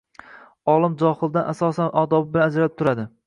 Olim johildan asosan odobi bilan ajralib turadi.